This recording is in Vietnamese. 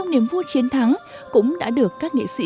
bế văn đàn ơi